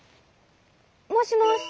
もしもし。